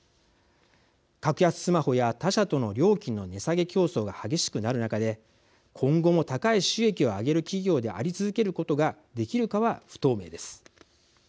格安スマホや、他社との料金の値下げ競争が激しくなる中で今後も、高い収益を上げる企業であり続けることができるかは不透明です。